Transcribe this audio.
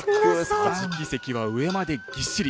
桟敷席は上までぎっしり。